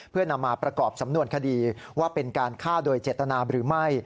เพื่อนำมาประกอบสำนวนคดีว่าเป็นการฆ่าโดยเจตนาหรือไม่